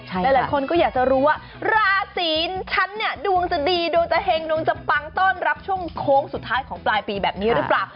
หลายคนก็อยากจะรู้ว่าราศีฉันเนี่ยดวงจะดีดวงจะเห็งดวงจะปังต้อนรับช่วงโค้งสุดท้ายของปลายปีแบบนี้หรือเปล่า